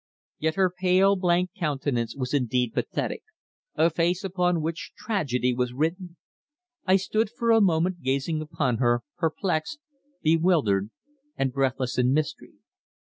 Yet her pale, blank countenance was indeed pathetic, a face upon which tragedy was written. I stood for a moment gazing upon her, perplexed, bewildered and breathless in mystery.